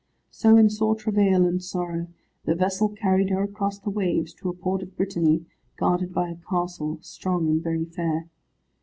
So in sore travail and sorrow, the vessel carried her across the waves, to a port of Brittany, guarded by a castle, strong and very fair.